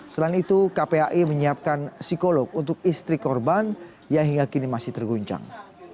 selain itu kpai menyiapkan psikolog untuk istri korban yang hingga kini masih terguncang